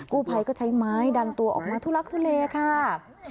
กู้ภัยก็ใช้ไม้ดันตัวออกมาทุลักทุเลค่ะ